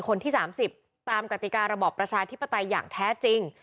คนที่๓๐ตามกติการระบอบประชาธิปไตยอย่างแท้จริง